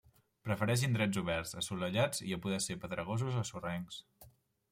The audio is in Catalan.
Prefereix indrets oberts, assolellats i a poder ser pedregosos o sorrencs.